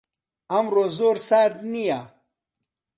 ئەمڕۆ زۆر سارد نییە.